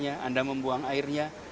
anda membuang airnya